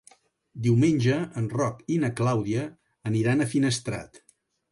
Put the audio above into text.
Diumenge en Roc i na Clàudia aniran a Finestrat.